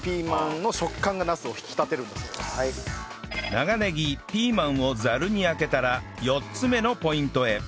長ネギピーマンをザルにあけたら４つ目のポイントへ